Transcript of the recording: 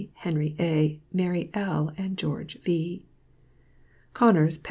Henry A., Mary L. and George V.